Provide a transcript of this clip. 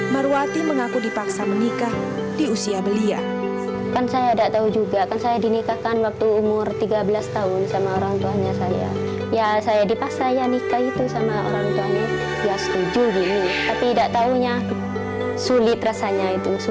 marwati mengaku dipaksa menikah di usia belia